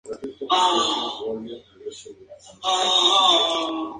Discurre en dirección sur, en un curso muy sinuoso.